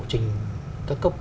trình tất cấp